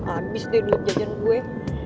abis deh jajan gue